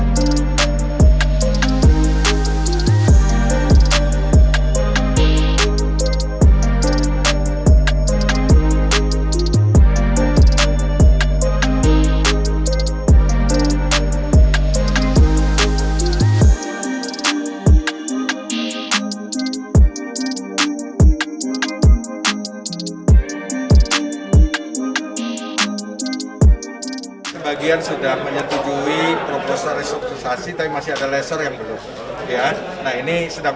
sebagian sudah menyetujui proposal restrukturasi tapi masih ada laser yang belum ya nah ini sedang